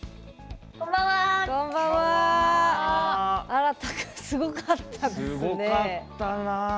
あらたくんすごかったですね。